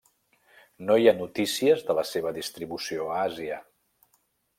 No hi ha notícies de la seva distribució a Àsia.